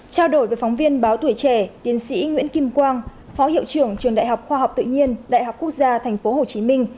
trao đổi với phóng viên báo tuổi trẻ tiến sĩ nguyễn kim quang phó hiệu trưởng trường đại học khoa học tự nhiên đại học quốc gia tp hcm